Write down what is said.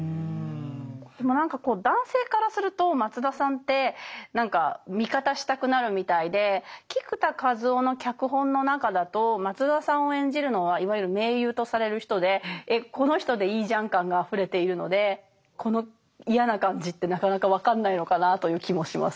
でも何かこう男性からすると松田さんって味方したくなるみたいで菊田一夫の脚本の中だと松田さんを演じるのはいわゆる名優とされる人で「えっこの人でいいじゃん」感があふれているのでこの嫌な感じってなかなか分かんないのかなという気もします。